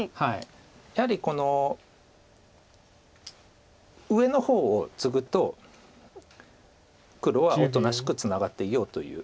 やはりこの上の方をツグと黒はおとなしくツナがっていようという。